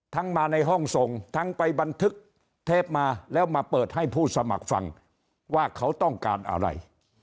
มาในห้องส่งทั้งไปบันทึกเทปมาแล้วมาเปิดให้ผู้สมัครฟังว่าเขาต้องการอะไร